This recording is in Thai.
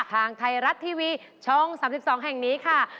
ทางไทยรัฐทีวีช่อง๓๒แห่งนี้ค่ะ